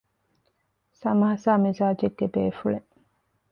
ސަމާސާ މިޒާޖެއްގެ ބޭފުޅެއް